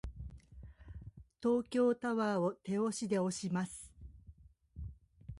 東京タワーを手押しで押します。